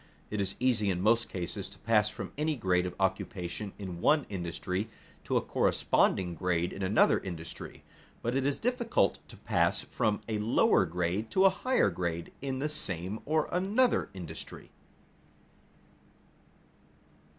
It is easy in most cases to pass from any grade of occupation in one industry to a corresponding grade in another industry; but it is difficult to pass from a lower grade to a higher grade in the same or another industry.